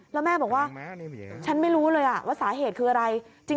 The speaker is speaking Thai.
แล้วแม่บอกว่าฉันไม่รู้เลยว่าสาเหตุคืออะไร